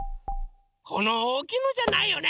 このおおきいのじゃないよね。